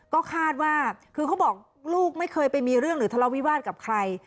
ก็คาดว่าคือเขาบอกลูกไม่เคยไปมีเรื่องหรือทะเลาวิวาสกับใคร